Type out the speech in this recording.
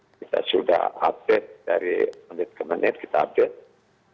kita sudah update dari menit ke menit kita update